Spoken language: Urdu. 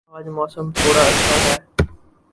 آج موسم تھوڑا اچھا ہے